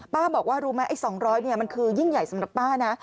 บอกว่ารู้ไหมไอ้๒๐๐มันคือยิ่งใหญ่สำหรับป้านะ